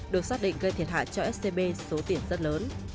được xác định gây thiệt hại cho scb số tiền rất lớn